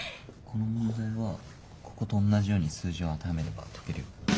この問題はここと同じように数字を当てはめれば解けるよ。